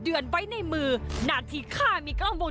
เรื่องนี้เกิดอะไรขึ้นไปเจาะลึกประเด็นร้อนจากรายงานค่ะ